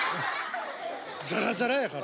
ザラザラやから。